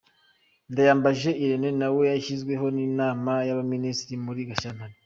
Ndayambaje Irenée nawe yashyizweho n’Inama y’abaminisitiri muri Gashyantare.